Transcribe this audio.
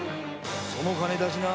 その金出しな！